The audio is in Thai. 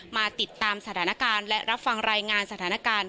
มาติดตามสถานการณ์และรับฟังรายงานสถานการณ์